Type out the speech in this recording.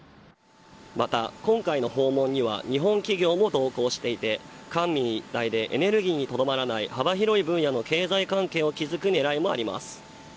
また、今回の訪問には日本企業も同行していて官民一体でエネルギーにとどまらない幅広い分野の経済関係を築く狙いもあります。